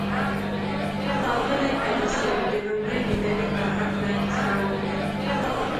ښاغلي ايډېسن د لومړۍ ليدنې په هکله کيسه وکړه.